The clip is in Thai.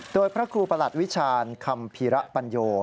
โดยพระครูประหลัดวิชาณคัมภีระปัญโย